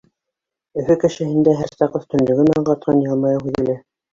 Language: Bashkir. Өфө кешеһендә һәр саҡ өҫтөнлөгөн аңғартҡан йылмайыу һиҙелә.